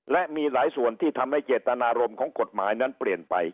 และมีหลายส่วนที่ทำให้เจตนารมณ์ของกฎหมายนั้นเปลี่ยนไป